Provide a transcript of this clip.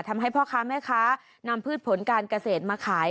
ทำให้พ่อค้าแม่ค้านำพืชผลการเกษตรมาขาย